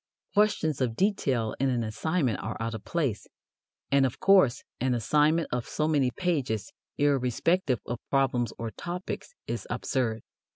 Questions of detail in an assignment are out of place, and, of course, an assignment of so many pages, irrespective of problems or topics, is absurd.